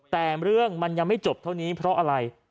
แต่เรื่องมันยังไม่จบเท่านี้เพราะอะไร